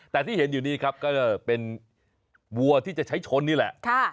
แต่ที่เห็นอยู่นี้ครับก็เป็นวัวที่จะใช้ชนนี่แหละ